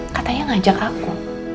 katanya ngajak aku